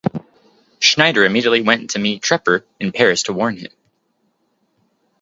Schneider immediately went to meet Trepper in Paris to warn him.